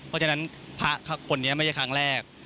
เพราะฉะนั้นพระคนนี้ไม่ใช่ครั้งแรก